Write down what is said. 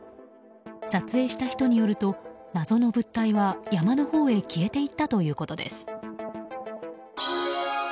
撮影した人によると謎の物体は山のほうへ消えていったということです。